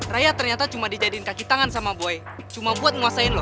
raya ternyata cuma dijadiin kaki tangan sama buaya cuma buat nguasain loh